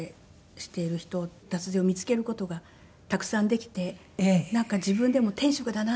脱税を見つける事がたくさんできてなんか自分でも天職だな